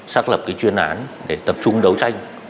xác lập cái chuyên án để tập trung đấu tranh